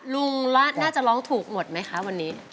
ลุงล้าน่าจะร้องถูกหมดมั้ยคะวันนี้